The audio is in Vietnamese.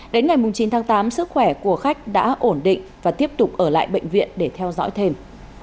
đến ngày chín tháng tám sức khỏe của khách đã ổn định và tiếp tục ở lại bệnh viện để theo dõi thêm